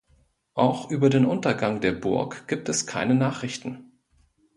Auch über den Untergang der Burg gibt es keine Nachrichten.